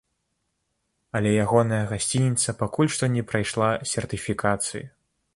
Але ягоная гасцініца пакуль што не прайшла сертыфікацыі.